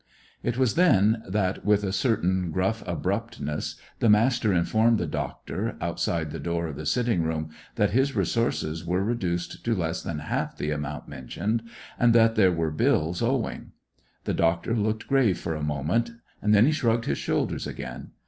It was then that, with a certain gruff abruptness, the Master informed the doctor, outside the door of the sitting room, that his resources were reduced to less than half the amount mentioned, and that there were bills owing. The doctor looked grave for a moment, and then shrugged his shoulders again.